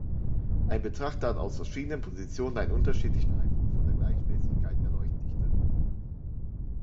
Ein Betrachter hat aus verschiedenen Positionen einen unterschiedlichen Eindruck von der Gleichmäßigkeit der Leuchtdichte.